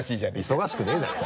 忙しくないだろ。